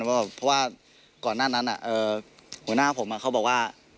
เพราะว่าก่อนหน้านั้นหัวหน้าผมเขาบอกว่า